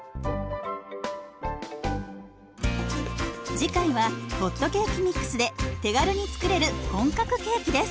次回はホットケーキミックスで手軽に作れる本格ケーキです。